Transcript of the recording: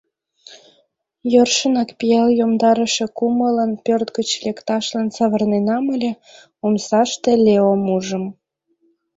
Йӧршынак пиал йомдарыше кумылын пӧрт гыч лекташлан савырненам ыле, омсаште Леом ужым.